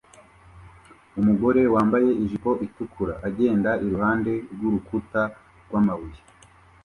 Umugore wambaye ijipo itukura agenda iruhande rw'urukuta rw'amabuye